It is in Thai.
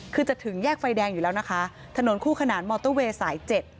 คือจะถึงแยกไฟแดงอยู่แล้วนะคะถนนคู่ขนานมอเตอร์เวย์สายเจ็ด